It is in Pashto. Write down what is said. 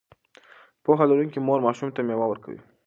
پوهه لرونکې مور ماشوم ته مېوه ورکوي.